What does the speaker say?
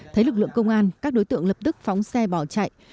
thấy lực lượng công an các đối tượng lập tức phóng xe bỏ chạy